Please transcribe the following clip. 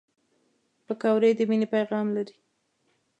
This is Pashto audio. پکورې د مینې پیغام لري